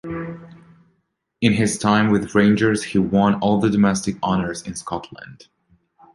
In his time with Rangers he won all the domestic honours in Scotland.